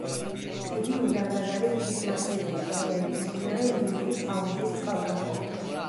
ტედი უზარმაზარი მთის მასივია, რომელიც მდინარე ლინთის აუზის წყალგამყოფია.